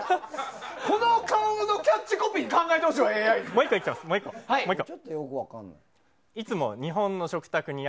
この顔のキャッチコピー考えてほしいわ、ＡＩに。